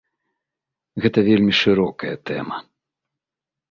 Гэта вельмі шырокая тэма.